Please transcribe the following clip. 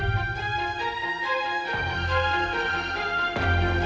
jangan suka ngambek